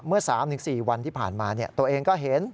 เมื่อ๓๔วันที่ผ่านมาตัวเองก็เห็น